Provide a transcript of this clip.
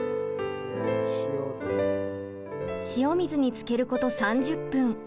塩水に漬けること３０分。